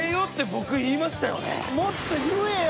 もっと言えよ！